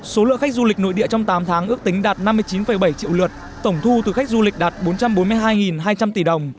số lượng khách du lịch nội địa trong tám tháng ước tính đạt năm mươi chín bảy triệu lượt tổng thu từ khách du lịch đạt bốn trăm bốn mươi